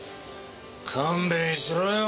勘弁しろよ